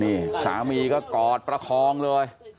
นี่สามีก็กอดประคองเลย